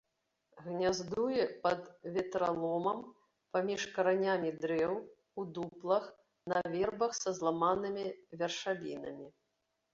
Гняздуе пад ветраломам, паміж каранямі дрэў, у дуплах, на вербах са зламанымі вяршалінамі.